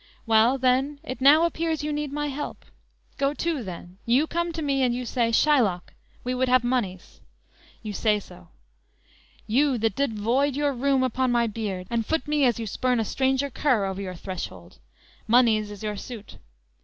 Well, then, it now appears you need my help; Go to, then; you come to me and you say: Shylock, we would have monies; you say so; You, that did void your rheum upon my beard, And foot me as you spurn a stranger cur Over your threshold; monies is your suit.